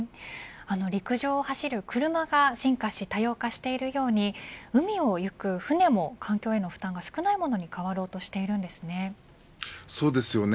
陸上を走る車が進化して多様化しているように海を行く船も環境への負担が少ないものにそうですね。